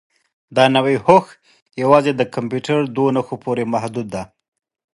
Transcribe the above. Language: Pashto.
دا نوي هوښ یوازې د کمپیوټر دوو نښو پورې محدود دی.